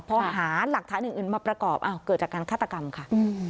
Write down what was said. พอหาหลักฐานอื่นมาประกอบเกิดจากการฆาตกรรมค่ะ